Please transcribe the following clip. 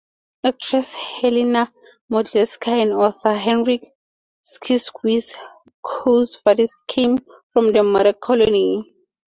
Actress Helena Modjeska and author Henryk Sienkiewicz ("Quo Vadis") came from the Mother Colony.